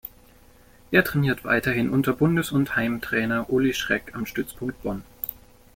Er trainiert weiterhin unter Bundes- und Heimtrainer Uli Schreck am Stützpunkt Bonn.